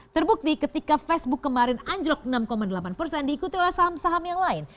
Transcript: terbukti ketika facebook kemarin anjlok enam delapan persen diikuti oleh saham saham yang lain